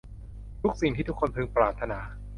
สิ่งที่ทุกคนพึงปรารถนา